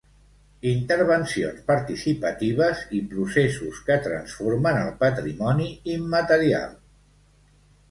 Intervencions participatives i processos que transformen el patrimoni immaterial.